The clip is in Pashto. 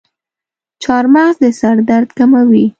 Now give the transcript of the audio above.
چارمغز د سر درد کموي.